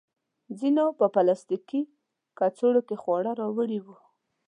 ځینو په پلاستیکي کڅوړو کې خواړه راوړي وو.